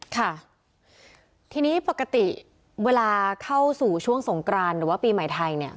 ค่ะทีนี้ปกติเวลาเข้าสู่ช่วงสงกรานหรือว่าปีใหม่ไทยเนี่ย